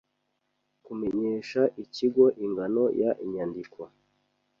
kumenyesha Ikigo ingano y inyandiko